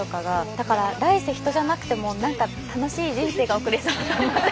だから来世人じゃなくてもなんか楽しい人生が送れそうな。